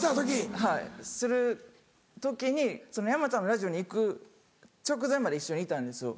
はいする時に山ちゃんのラジオに行く直前まで一緒にいたんですよ。